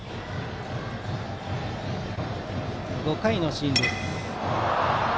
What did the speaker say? ５回のシーンです。